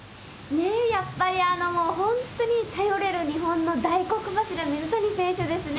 ね、やっぱり本当に頼れる日本の大黒柱、水谷選手ですね。